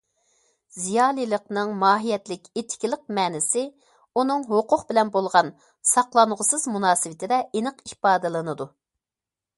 زىيالىيلىقنىڭ ماھىيەتلىك ئېتىكىلىق مەنىسى ئۇنىڭ ھوقۇق بىلەن بولغان ساقلانغۇسىز مۇناسىۋىتىدە ئېنىق ئىپادىلىنىدۇ.